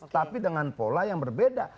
tapi dengan pola yang berbeda